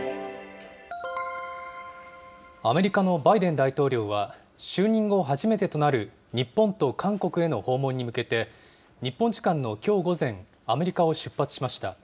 アメリカのバイデン大統領は、就任後、初めてとなる日本と韓国への訪問に向けて、日本時間のきょう午前、アメリカを出発しました。